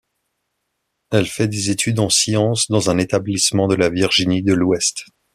Elle fait des études en sciences dans un établissement de la Virginie de l'Ouest.